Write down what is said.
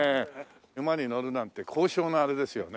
馬に乗るなんて高尚なあれですよね。